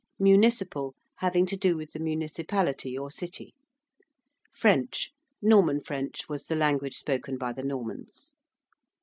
~municipal~: having to do with the municipality or city. ~French~: Norman French was the language spoken by the Normans.